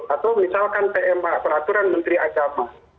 atau misalkan pma peraturan menteri agama